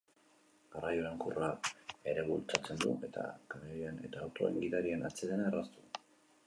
Garraio iraunkorra ere bultzatzen du, eta kamioien eta autoen gidarien atsedena erraztu.